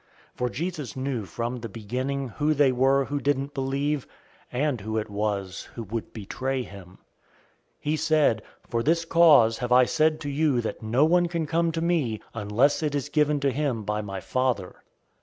For Jesus knew from the beginning who they were who didn't believe, and who it was who would betray him. 006:065 He said, "For this cause have I said to you that no one can come to me, unless it is given to him by my Father."